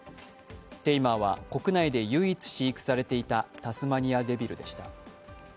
テイマーは国内で唯一飼育されていたタスマニアデビルでした。